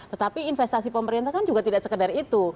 tetapi investasi pemerintah kan juga tidak sekedar itu